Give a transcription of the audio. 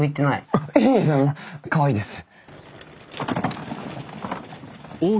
あっいえいえかわいいです。